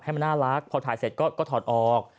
มันน่ารักพอถ่ายเสร็จก็ถอดออก